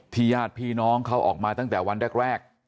ญาติพี่น้องเขาออกมาตั้งแต่วันแรก